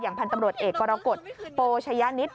อย่างพันธุ์ตำรวจเอกกโปชัยานิด